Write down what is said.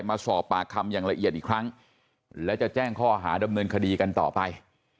มาสอบปากคำอย่างละเอียดอีกครั้งแล้วจะแจ้งข้อหาดำเนินคดีกันต่อไป